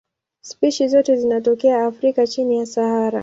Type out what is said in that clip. Spishi zote zinatokea Afrika chini ya Sahara.